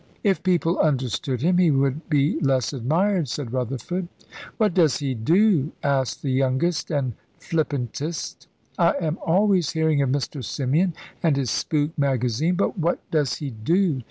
"If people understood him, he would be less admired," said Rutherford. "What does he do?" asked the youngest and flippantest. "I am always hearing of Mr. Symeon and his spook magazine; but what does he do?